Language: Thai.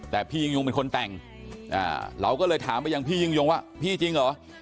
แต่พี่ยิ่งยงเป็นคนแต่งเราก็เลยถามไปยังพี่ยิ่งยงว่าพี่จริงเหรอ